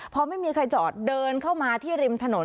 พอไม่มีใครจอดเดินเข้ามาที่ริมถนน